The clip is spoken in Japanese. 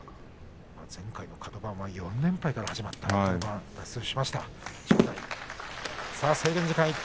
前回のカド番は４連敗から始まって脱出しました、正代。